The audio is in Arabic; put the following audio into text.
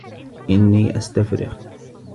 إني أستفرغ